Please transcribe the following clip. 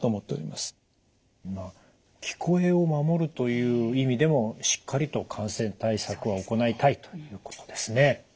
まあ聞こえを守るという意味でもしっかりと感染対策は行いたいということですね。